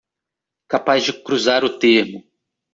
Capaz de cruzar o termo